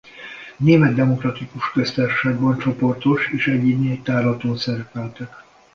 Német Demokratikus Köztársaságban csoportos és egyéni tárlaton szerepeltek.